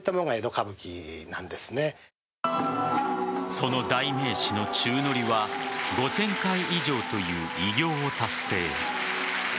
その代名詞の宙乗りは５０００回以上という偉業を達成。